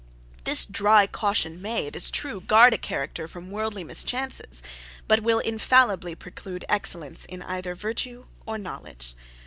This dry caution may, it is true, guard a character from worldly mischances; but will infallibly preclude excellence in either virtue or knowledge.